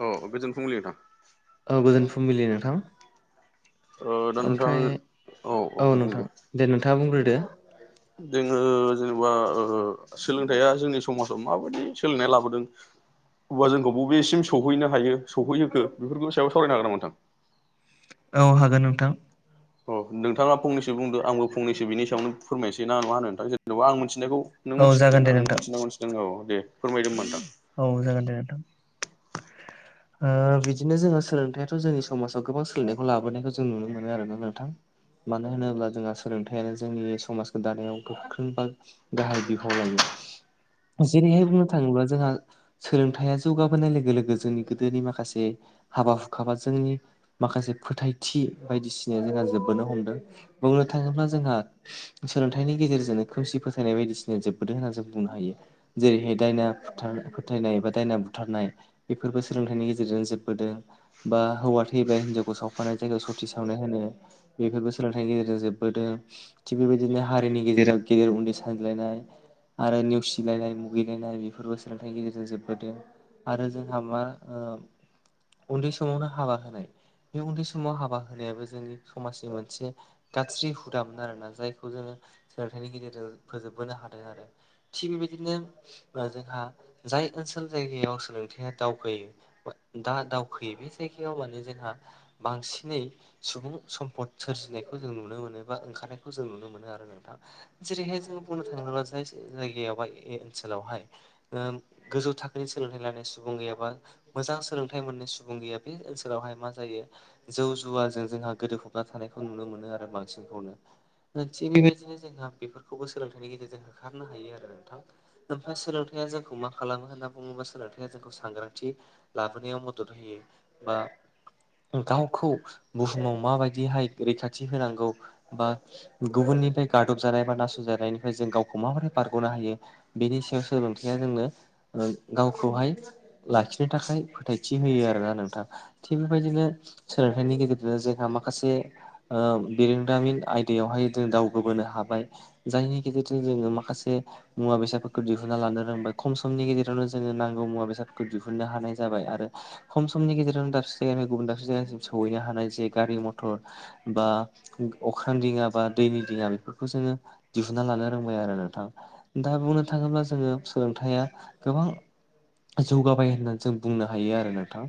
औ गोजोन फुंलि नोंथां। औ गोजोन फुंबिलि नोंथां। ओ दा नोंथां ओमफ्राय औ नोंथां दे नोंथांङा बुंग्रोदो। जोंङो जेनबा ओ सोलोंथाइया जोंनि समाजाव माबायदि सोलायनाय लाबोदों। अब्ला जोंखौ बबेसिम सहैनो हायो सौहैहोखो बेफोरनि सायाव सावरायनो हागोन नामा नोंथां? औ हागोन नोंथां। अ नोंथांङा फंनैसो बुंदो आंबो फंनैसो बिनि सायावनो फोरमायसै ना मा होनो नोंथां जेनेबा आं मिथिनायखौ। नों औ जागोन मिथिगोन दे आं नों नोंथां मिथिना मोनथिदों औ दे फोरमायदो होमबा नोंथां। औ जागोन दे नोंथां। [inaudible] ओ बिदिनो जोंङो सोलोंथायाथ' जोंनि समाजाव गोबां सोलायनायखौ लाबोनायखौ जों नुनो मोनो आरोना नोंथां। मानो होनोब्ला जोंहा सोलोंथायाइयानो जोंनि समाजखौ दानायाव गोख्रों बा गाहाय बिफाव लायो। जेरैहाय बुंनो थांङोब्ला जोंहा। सोलोंथाइया जौगाबोनाय लोगो लोगो जोंनि गोदोनि माखासे हाबा हुखाबा जोंनि माखासे फोथायथि बायदिसिनाया जोंहा जोबबोनो हमदों। बुंनो थांङोब्ला जोंहा सोलोंथाइनि गेजेरजोंनो खोमसि फोथायनाय बायदिसिना जोबबोदों होनना जों बुंनो हायो। जेरैहाय दायना बुथारनाय फोथायनाय बा दायना बुथारनाय बेफोरबो सोलोंथाइनि गेजेरजों जोबबोदों। बा हौवा थैयोब्ला हिनजावखौ सावफानाय जायगायाव सति सावनाय होनो। बेफोरबो सोलोंथाइनि गेजेरजों जोबबोदों। थिग बेबायदिनो हारिनि गेजेराव गेदेर उन्दै सानज्लायनाय। आरो नेवसिलायनाय मुगैलायनाय बेफोरबो सोलों थायनि गेजेरजों जोबबोदों आरो जोंहा मा ओ उन्दै समावनो हाबा होनाय बे उन्दै समाव हाबा होनायाबो जोंनि समाजनि मोनसे गाख्रि हुदामोन आरोना जायखौ जोङो सोलोंथाइनि गेजेरजों फोजोबबोनो हादों आरो थिग बे बायदिनो जोंहा जाय ओनसोल जायगायाव सोलोंथाइया दावगायो। दा दावखोयो बे जायगायाव माने जोंहा बांसिनै। सुबुं सम्पद सोरजिनायखौ जों नुनो मोनो, बा ओंखारनायखौ जों नुनो मोनो आरो नोंथां। जेरैहाय जों बुंनो थाङोबोब्ला जाय जायगायाव बा ओनसोलावहाय। गोजौ थाखोनि सोलोंथाइ लानाय सुबुं गैयाबा। मोजां सोलोंथाइ मोननाय सुबुं गैया बे ओनसोलावहाय मा जायो। जौ जुवाजों जोंहा गोदो होबना थानायखौ नुनो मोनो आरो बांसिनखौनो। थिग बे बायदिनो जोंहा बेफोरखौबो सोलोंथाइनि गेजेरजों होखारनो हायो आरो नोंथां। [unintelligible] सोलोंथाइया जोंखौ मा खालामो होनना बुङोब्ला सोलोंथाइया जोंखौ सांग्रांथि लाबोनायाव मदद होयो। बा गावखौ बुहुमाव माबायदिहाय रैखाथि होनांगौ, बा गुबुननिफ्राय गादब जानाय बा नासयजानायनिफ्राय जों गावखौ माबोरै बारग'नो हायो। बेनि सायाव सोलोंथायाइया जोंनो गावखौहाय लाखिनो थाखाय फोथायथि होयो आरोना नोंथां। थिग बे बायदिनो सोलोंथाइनि गेजेरजोंनो जोंहा माखासे ओ बिरोंदामिन आयदायावहाय जों दावखोबोनो हाबाय। जायनि गेजेरजों जोङो माखासे मुवा बेसादफोरखौ दिहुन हुनना लानो रोंबाय। खम समनि गेजेरावनो जोङो नांगौ मुवा बेसादफोरखौ दिहुननो हानाय जाबाय आरो खम समनि गेजेरावनो दाबसे जायगानि गुबुन दाबसे जायगासिम सहैनो हानाय जे गारि मथर बा अख्रां दिङा बा दैनि दिङा बेफोरखौ जोङो दिहुनना लानो रोंबाय आरो नोंथां। दा बुंनो थाङोब्ला जोङो सोलोंथाइया गोबां जौगाबाय होननानै जों बुंनो हायो आरो नोंथां।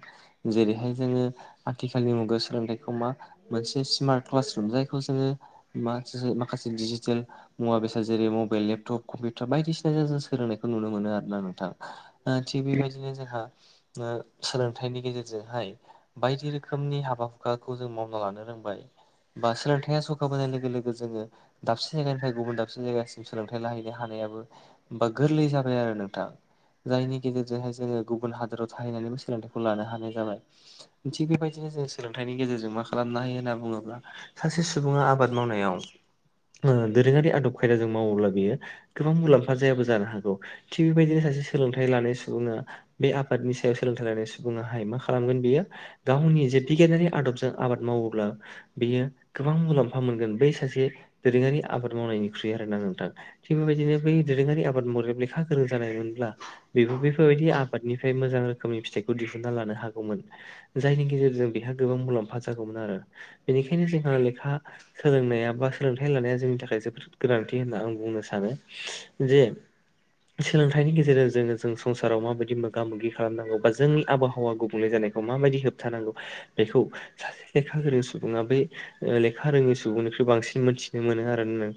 जेरैहाय जोङो आथिखालनि मुगायाव सोलोंथाइखौ मा मोनसे स्मार्ट क्लासरुम जायखौ जोङो मानसिजों माखासे दिडिजिटेल मुवा बेसाद जेरै मबाइल, लेपटप, कम्पिउटार बायदिसिना सोलोंनायखौ नुनो मोनो आरो ना नोंथां। ओ थिग बेबायदिनो जोंहा ओ सोलोंथाइनि गेजेरजोंहाय बायदि रोखोमनि हाबा हुखाखौ जों मावना लानो रोंबाय। बा सोलोंथाइया जौगाबोनाय लोगो लोगो जोङो दाबसे जायगानिफ्राय गुबुन दाबसे जायगासिम सोलोंथाइ लाहैनो हानायाबो होमबा गोरलै जाबाय आरो नोंथां। जायनि गेजेरजोंहाय जोङो गुबुन हादराव थाहैनानैबो सोलोंथाइखौ लानो हानाय जाबाय। थिग बे बायदिनो जों सोलोंथाइनि गेजेरजों मा खालामनो हायो होनना बुङोब्ला सासे सुबुङा आबाद मावनायाव दोरोङारि आदब खायदाजों मावोब्ला बेयो गोबां मुलाम्फा जायाबो जानो हागौ थिग बे बायदिनो सासे सोलोंथाइ लानाय सुबुङा बे आफादनि सायाव सोलोंथाइ लानाय सुबुङाहाय मा खालामगोन बेयो गावनि जे बिगियानारि आदबजों आबाद मावोब्ला बियो गोबां मुलाम्फा मोनगोन बै सासे दोरोङारि आबाद मावनायनिख्रुइ आरोना नोंथां। थिग बेबायदिनो बै दोरोङारि आबाद लेखा गोरों जानाय मोनब्ला बे बेफोरबायदि आबादनिफ्राय मोजां रोखोमनि फिथाइखौ दिहुनना लानो हागौमोन। जायनि गेजेरजों बेहा गोबां मुलाम्फा जागौमोन आरो बेनिखायनो जोंहा लेखा सोलोंनाया बा सोलोंथाइ लानाया जोंनि थाखाय जोबोद गोनांथि होनना आं बुंनो सानो। जे सोलोंथाइनि गेजेरजों जोङो जों संसाराव माबायदि मोगा मोगि खालामनांगौ बा जोंनि आबहावा गुबुंले जानाय खौ माबायदि होबथानांगौ। बेखौ सासे लेखा गोरों सुबुङा बै लेखा रोङै सुबुंनिख्रुइ बांसिन मोनथिनो मोनो आरो नों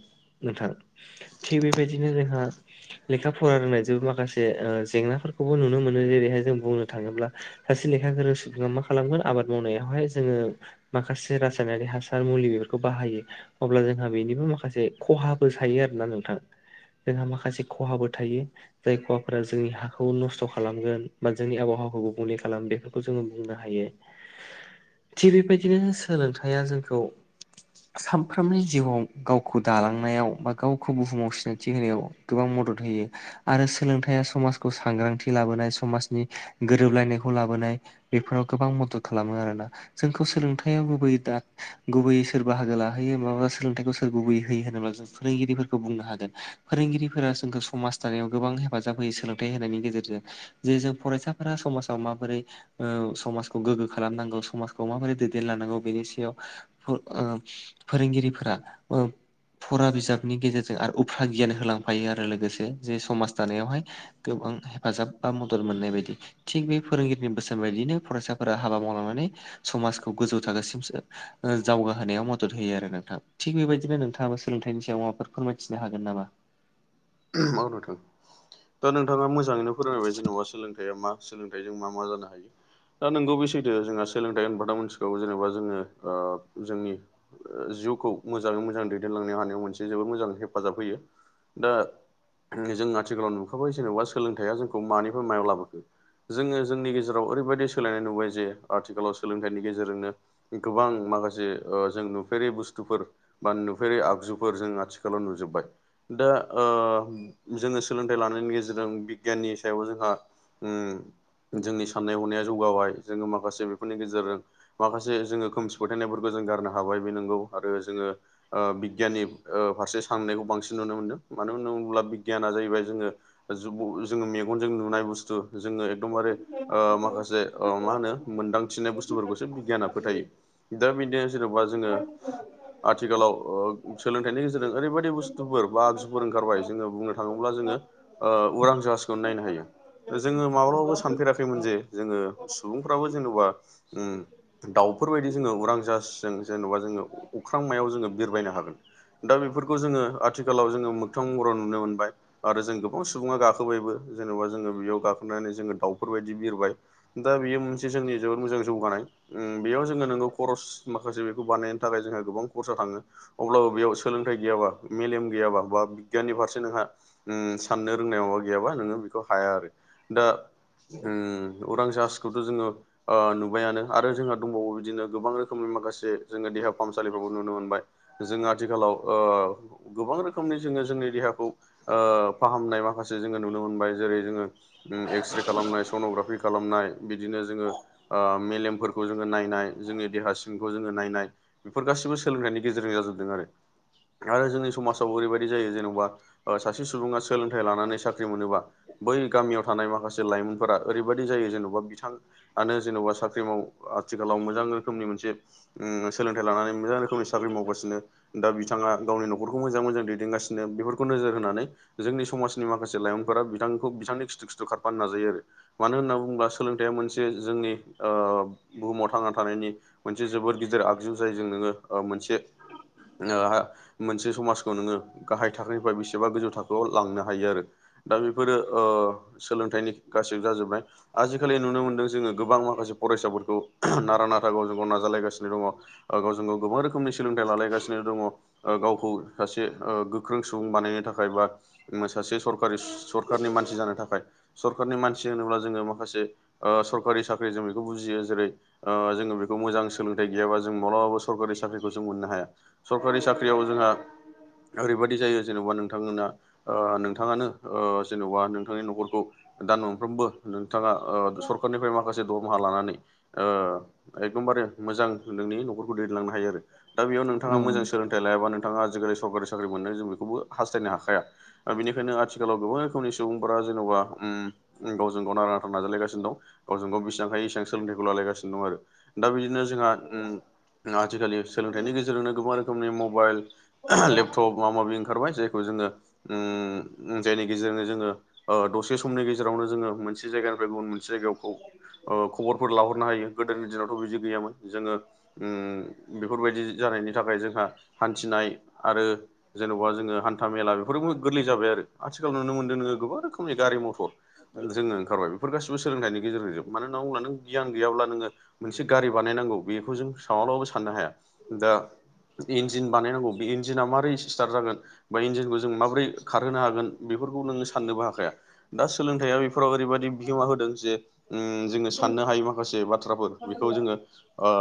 नोंथां। थिग बे बायदिनो जोंहा लेखा फरा रोंनायजोंबो माखासे ओ जेंनाफोरखौबो नुनो मोनो जेरैहाय जों बुंनो थाङोब्ला सासे लेखा गोरों सुबङा मा खालामगोन आबाद मावनायावहाय जोङो माखासे रासायनारि हासार मुलि बेफोरखौ बाहायो। अब्ला जोंहा बेनिबो माखासे खहाबो थायो आरोना नोंथां। जोंहा माखासे खहाबो थायो। जाय खहाफोरा जोंनि हाखौ नस्थ' खालामगोन बा जोंनि आबहावाखौ गुबुंले खालामो बेफोरखौ जोङो बुंनो हायो। [inaudible] थिग बेबायदिनो सोलोंथाइया जोंखौ सानफ्रोमनि जिउआव गावखौ दालांनायाव बा गावखौ बुहुमाव सिना थि होनायाव गोबां मदद होयो। आरो सोलोंथाइया समाजखौ सांग्रांथि लाबोनाय, समाजनि गोरोबलायनायखौ लाबोनाय, बेफोराव गोबां मदद खालामो आरोना। जोंखौ सोलोंथाइयाव गुबैयै दा गुबैयै सोर बाहागो लाहैयो माबा सोलोंथाइखौ सोर गुबैयै होयो होनोब्ला जों फोरोंगिरिफोरखौ बुंनो हागोन फोरोंगिरिफोरा जोंखौ समाज दानायाव गोबां हेफाजाब होयो सोलोंथाइ होनायनि गेजेरजों जे जों फरायसाफोरा समाजाव माबोरै ओ समाजखौ गोग्गो खालामनांगौ समाजखौ माबोरै दैदेनलांनांगौ बेनि सायाव फोरोंगिरिफोरा फरा बिजाबनि गेजेरजों आरो गियान होलांफायो आरो लोगोसे जे समाज दानायावहाय गोबां हेफाजाब बा मदद मोननाय बायदि थिग बे फोरोंगिरिनि बोसोन बायदियनो फरायसाफोरा हाबा मावलांनानै समाजखौ गोजौ थाखोसिमसो जावगाहोनायाव मदद होयो आरो नोंथां थि बेबायदिनो नोंथाङाबो सोलोंथाइनि सायाव माबाफोर फोरमायथिनो हागोन? [unintelligible] औ नोंथां। दा नोंथाङा मोजाङैनो फोरोंबाय जेनेबा सोलोंथाइया मा सोलोंथाइजों मा मा जानो हायो दा नोंगौ बे सैथो जोंहा सोलोंथाइ होनबादा मोनसिखौ जेनेबा जोङो जोंनि जिउखौ मोजाङै मोजां दैदेनलांनो हानायाव मोनसे जोबोद मोजां हेफाजाब होयो दा जों आथिखालाव नुखाबाय जेनेबा सोलोंथाइया जोंखौ मानिफ्राय मायाव लाबोखो जोङो जोंनि गेजेराव ओरैबायदि सोलायनाय नुबाय जे आथिखालाव सोलोंथाइनि गेजेरजोंनो गोबां माखासे जों नुफेरि बुस्थुफोर बा नुफेरै आगजुफोर जों आथिखालाव नुजोब्बाय दा ओ जोङो सोलोंथाइ लानायनि गेजेरजों बिगियाननि सायाव जोंहा जोंनि साननाय हनाया जौगाबाय जोङो माखासे बेफोरनि गेजेरजों माखासे जोङो खोमसि फोथायनायफोरखौ जों गारनो हाबाय बे नंगौ आरो जोङो ओ बिगियाननि फारसे साननायखौ बांसिन नुनो मोनदों मानो होन अब्ला बिगियाना जाहैबाय जोङो जोङो मेगनजों नुनाय बुस्थु जोङो एखदमबारे ओ माखासे मा होनो मोन्दांथिनाय बुस्थुफोरखौसो बिगियाना फोथायो दा बिदिनो जेन'बा जोङो आथिखालाव सोलोंथाइनि गेजेरजों ओरैबायाददि बुस्थुफोर बा आगजुफोर ओंखारबाय जोङो बुंनो थाङोब्ला जोङो उरां जाहाजखौनो नायनो हायो जोङो माब्लाबाबो सानफेराखैमोन जे जोङो सुबुंफ्राबो जेन'बा दाउफोरबायायदि जोङो उरां जासजों जेनेबा जोङो अख्रां मायाव जोङो बिरबायनो हागोन दा बेफोरखौ जोङो आथिखालाव जोङो मोगथां महराव नुनो मोनबाय आरो जों गोबां सुबुङा गाखोबायबो जेनेबा जोङो बेयाव गाखोनानै जोङो दाउफोरबायायदि बिरबाय दा बेयो मोनसे जोंनि जोबोद मोजां जौगानाय बेयाव जोङो नोंगौ खरस माखासे बेखौ बानायनो थाखाय जोंहा गोबां खरसा थाङो अब्लाबो बेयाव सोलोंथाइ गैयाबा मेलेम गैयाबा बा बिगियाननि फारसे नोंहा साननो रोंनाय माबा गैयाबा नोङो बेखौ हाया आरो दा उम अरां जाजखौथ' जोङो नुबायानो आरो जोंहा दंबावो बिदिनो गोबां रोखोमनि माखासे जोङो देहा फाहामसालिफोरफोरखौबो नुनो मोनबाय जोङो आथिखालाव ओ गोबां रोखोमनि जोङो जोंनि देहाखौ ओ फाहामनाय बा माखासे जोङो नुनो मोनबाय। जेरै जोङो उम एक्सरे खालामनाय सन'ग्राफि खालाम नाय बिदिनो जोङो ओ मेलेमफोरखौ जोङो नायनाय। जोंनि देहा सिमखौ जोङो नायनाय। बेफोर गासिबो सोलोंथाइनि गेजेरजों जाजोबदों आरो। आरो जोंनि समाजाव ओरैबायदि जायो। जेन'बा ओ सासे सुबुङा सोलोंथाइ लानानै साख्रि मोनोबा। बै गामियाव थानाय माखासे लाइमोनफोरा ओरैबायदि जायो। जेन'बा बिथां आनो जेन'बा साख्रि मावो। ओ आथिखालाव मोजां रोखोमनि मोनसे उम सोलोंथाइ लानानै मोजां रोखोमनि साख्रि मावगासिनो। दा बिथाङा गावनि न'खरखौ मोजां मोजां दैदेनगासिनो। बेफोर गौ नोजोर होनानै जोंनि समाजनि माखासे लाइमोनफोरा बिथांखौ बिथांनि खिथु खिथु खारफानो नाजायो आरो। मानो होनना बुङोब्ला सोलोंथाइया मोनसे जोंनि ओ बुहुमाव थांना थानायनि मोनसे जोबोद गिदिर आगजु। जाय जों नोङो ओ मोनसे मोनसे समाजखौ नोङो गाहाय था खोनिफ्राय बेसेबा गोजौ थाखोआव लांनो हायो आरो। दा बेफोरो ओ सोलोंथाइनि गासैबो जाजोबनाय। आजिखालि नुनो मोन्दों जोङो गोबां माखासे फरायसाफोरखौ नारा नाथा गावजों गाव नाजालायगासिनो। ओ गावजों गाव गोबां रोखोमनि सोलोंथाइ लालायगासिनो दङ। ओ गावखौ सासे ओ गोख्रों सुबुं बानायनो थाखाय बा सासे सरकारि सरखारनि मानसि जानो थाखाय। सरखारारनि मानसि होनोब्ला जोङो माखासे ओ सरकारि साख्रि जों बेखौ बुजियो। जेरै ओ जोङो बेखौ मोजां सोलोंथाइ गैयाबा जों मालाबाबो सरकारि साख्रिखौ जों मोननो हाया। सरकारि साख्रियाव जोंहा ओरैबायदि जायो। जेनेबा जेनबा नोंथांमोना ओ नोंथाङानो जेन'बा नोंथांनि न'खरखौ। दान मोनफ्रोमबो नोंथाङा ओ सरखारारनिफ्राय माखासे दरमाहा लानानै। ओ एखदमबारे मोजां नोंनि न'खरखौ दैदेनलांनो हायो आरो। दा बेयाव औ नोंथाङा मोजां नंगौ सोलोंथाइ लायाबा नोंथाङा आजिखालि सरकारि साख्रि मोननो जों बेखौबो हास्थायनो हाखाया। दा बेनिखायनो आथिखालाव गोबां रोखोमनि सुबुंफोरा जेन'बा उम जों गावजों गाव नारा नाथार नाजालायगासिनो दं। गावजों गाव बेसेबां हायो एसेबां सोलोंथाइखौ लालायगासिनो दं आरो। दा बिदिनो जोंहा उम आथिखालनि सोलोंथाइनि गेजेरजोंनो गोबां रोखोमनि मबाइल लेपटप सब माबा माबि ओंखारबाय। जायखौ जोङो उम जायनि गेजेरजोंनो जोङो ओ दसे समनि गेजेरावनो जोङो मोनसे जायगानिफ्राय गुबुन मोनसे जायगायावखौ ओ खबरफोर लाहरनो हायो। गोदोनि दिनावथ' बिदि गैयामोन। जोङो उम बेफोरबायदि जानायनि थाखाय। जोंहा हान्थिनाय आरो जेन'बा जोङो हान्था मेला बेफोरबो गोरलै जाबाय आरो। आथिखाल नुनो मोनदों। नोङो गोबां रोखोम गारि मथर जोङो ओंखारबाय। बेफोर गासिबो सोलोंथाइ गेजेरजों जोब। मानो होनना बुङोब्ला नों गियान गैयाब्ला नोङो मोनसे गारि बानायनांगौ बेखौ जों सानहरब्लाबो साननो हाया। दा इन्जिन बानायनांगौ। बे इन्जिना मारै स्टार्ट जागोन। बा इन्जिनखौ जों माबोरै खारहोनो हागोन। बेफोरखौ नोंङो साननोबो हाखाया। दा सोलोंथाइया बेफोराव ओरैबायादि बिहोमा होदों। जे उम जोङो साननो हायै माखासे बाथ्राफोर बेखौ जोङो ओ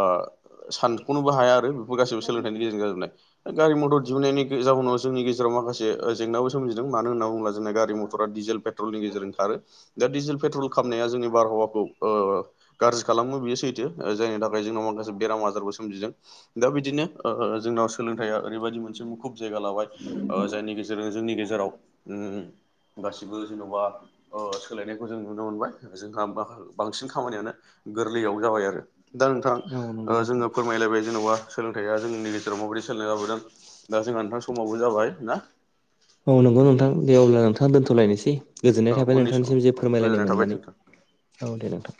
सानख'नोबो हाया आरो बेफोर गासैबो सोलोंथाइनि गेजेरजों जाजोबनाय। आरो गारि मथर दिहुननायनि जाउनाव जोंनि गेजेराव माखासेओ जेंनाबो सोमजिदों। मानो होन्ना बुङोबा जोंना गारि मथरा डिजेल पेट्रलनि गेजेरजों खारो। दा डिजेल पेट्रल खालामनाया जोंनि बारहावाखौ ओ गाज्रि खालामो बियो सैथो। जायनि थाखाय जोंनाव माखासे बेराम आजारबो सोमजिदों। दा बिदिनो ओ जोंनाव सोलोंथाइया ओरैबायदि मोनसे मुखुब जायगा लाबाय। ओ जायनि गेजेरजों जोंनि गेजेराव उम गासिबो जेन'बा ओ सोलायनायखौ जों नुनो मोनबाय। जोंहा माखा बांसिन खामानियानो गोरलैयाव जाबाय आरो दा नोंथां औ नंगौ ओ नोंथां जोङो फोर मायलायबाय जेन'बा सोलोंथाइआ जोंनि गेजेराव माबोरै सोलायनाय लाबोदों। दा जोंहा नोंथां समाबो जाबाय ना औ नंगौ नोंथां दे अब्ला नोंथा दोन्थ'लायनोसै गोजोननाय औ थाबाय उननि समाव नोंथांनिसिम जे औ फोरमायलायनाय गोजोननाय थाबाय मोननानै नोंथां औ दे नोंथां